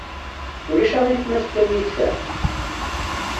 Ulac aɣilif ma tefkam-iyi-d ta?